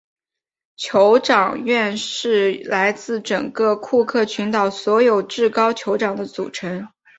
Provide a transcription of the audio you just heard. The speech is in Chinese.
酋长院是来自整个库克群岛所有至高酋长的组成。